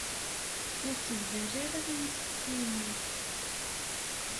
Ur segdal ara i yiseqsiyen-iw.